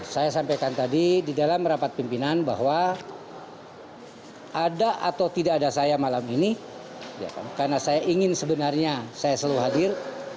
saya sampaikan tadi di dalam rapat pimpinan bahwa ada atau tidak ada saya malam ini karena saya ingin sebenarnya saya selalu hadir